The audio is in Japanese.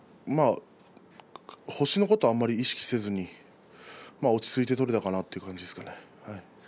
星のことは、あまり意識せずに落ち着いて取れたかなという感じですね。